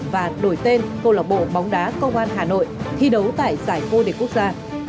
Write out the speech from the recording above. và đổi tên công an hà nội thi đấu tại giải phô địch quốc gia